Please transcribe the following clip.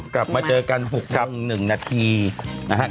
กลับมาเจอกัน๖โมง๑นาทีนะครับ